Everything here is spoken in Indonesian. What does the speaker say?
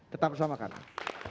tetap bersama kami